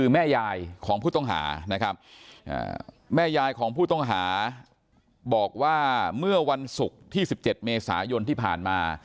แม่ยายของผู้ต้องหานะครับแม่ยายของผู้ต้องหาบอกว่าเมื่อวันศุกร์ที่๑๗เมษายนที่ผ่านมา